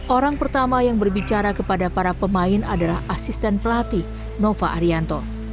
orang pertama yang berbicara kepada para pemain adalah asisten pelatih nova arianto